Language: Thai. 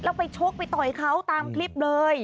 แล้วไปชกไปต่อยเขาตามคลิปเลย